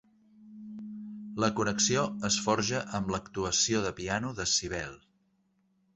La connexió es forja amb l"actuació de piano de Sybelle.